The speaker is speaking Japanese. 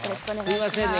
すいませんね